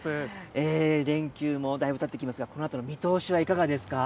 連休もだいぶたってきますが、このあとの見通しはいかがですか。